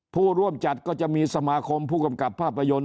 ผู้ร่วมจัดก็จะมีสมาคมผู้กำกับภาพยนตร์